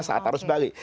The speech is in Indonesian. saat harus balik